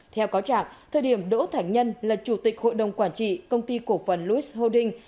theo cáo trạng thời điểm đỗ thành nhân là chủ tịch hội đồng quản trị công ty cộng phần louis holdings